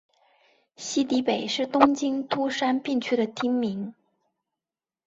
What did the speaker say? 西荻北是东京都杉并区的町名。